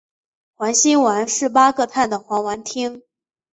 环辛烷是八个碳的环烷烃。